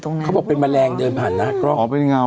เขาบอกเป็นแมลงเดินผ่านหน้ากล้องอ๋อเป็นเงา